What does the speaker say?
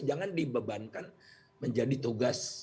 jangan dibebankan menjadi tugas